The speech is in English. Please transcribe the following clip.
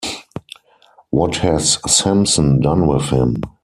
What has Simpson done with him?